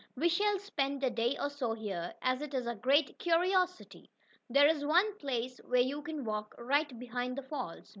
We shall spend a day or so here, as it is a great curiosity. There is one place where you can walk right behind the falls."